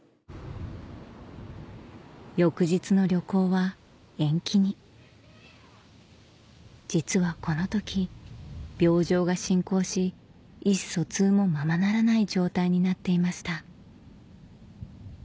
翌日の旅行は延期に実はこの時病状が進行し意思疎通もままならない状態になっていました